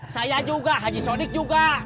saya juga haji sodik juga